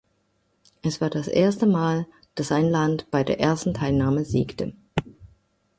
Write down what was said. Es war das erste Mal, dass ein Land bei der ersten Teilnahme siegte.